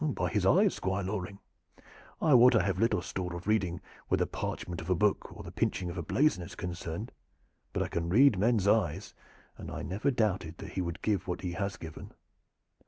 "By his eyes, Squire Loring. I wot I have little store of reading where the parchment of a book or the pinching of a blazon is concerned, but I can read men's eyes, and I never doubted that he would give what he has given."